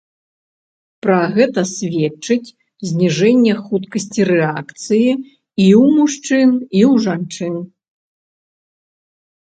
Пра гэта сведчыць зніжэнне хуткасці рэакцыі і ў мужчын, і ў жанчын.